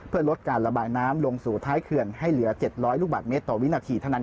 เพื่อลดการระบายน้ำลงสู่ท้ายเขื่อนให้เหลือ๗๐๐ลูกบาทเมตรต่อวินาทีเท่านั้น